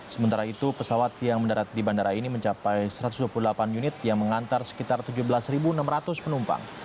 sementara itu pesawat yang mendarat di bandara ini mencapai satu ratus dua puluh delapan unit yang mengantar sekitar tujuh belas enam ratus penumpang